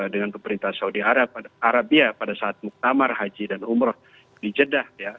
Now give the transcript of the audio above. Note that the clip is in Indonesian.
dengan pemerintah saudi arabia pada saat muktamar haji dan umroh di jeddah